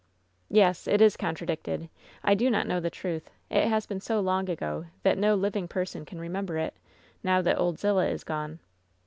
"Yes, it is contradicted. I do not know the truth. It has been so long ago that no living person can re member it, now that Old Zillah is gone."